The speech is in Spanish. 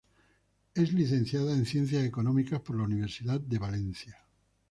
Es licenciada en Ciencias Económicas por la Universidad de Valencia.